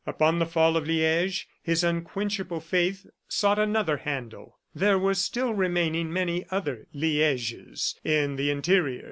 Upon the fall of Liege, his unquenchable faith sought another handle. There were still remaining many other Lieges in the interior.